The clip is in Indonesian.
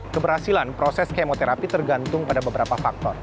keberhasilan proses kemoterapi tergantung pada beberapa faktor